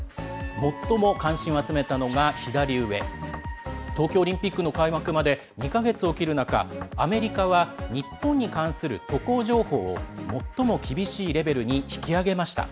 最も関心を集めたのが東京オリンピックの開幕まで２か月を切る中アメリカは日本に関する渡航情報を最も厳しいレベルに引き上げました。